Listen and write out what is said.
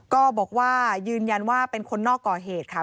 ก็บอกว่ายืนยันว่าเป็นคนนอกก่อเหตุค่ะ